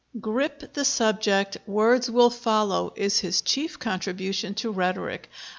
"Grip the subject: words will follow," is his chief contribution to rhetoric.